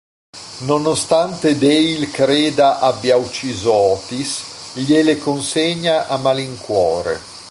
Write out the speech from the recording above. Nonostante Dale creda abbia ucciso Otis, gliele consegna a malincuore.